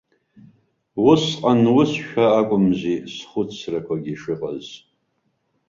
Усҟан усшәа акәымзи схәыцрақәагьы шыҟаз.